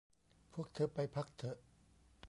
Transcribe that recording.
พวกเธอไปพักเถอะ